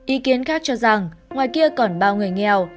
ý kiến khác cho rằng ngoài kia còn bao người nghèo